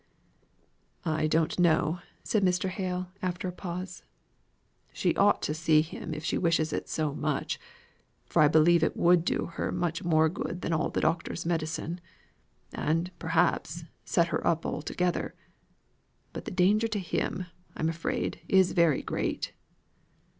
"I don't know," said Mr. Hale, after a pause. "She ought to see him if she wishes it so much; for I believe it would do her much more good than all the doctor's medicine and, perhaps, set her up altogether; but the danger to him, I'm afraid, is very great."